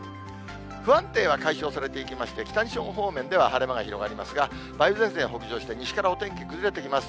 不安定は解消されていきまして、北日本方面では晴れ間が広がりますが、梅雨前線北上して、西からお天気崩れてきます。